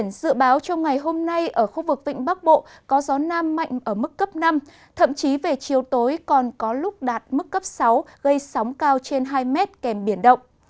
ngày hôm nay ở khu vực vịnh bắc bộ có gió nam mạnh ở mức cấp năm thậm chí về chiều tối còn có lúc đạt mức cấp sáu gây sóng cao trên hai mét kèm biển động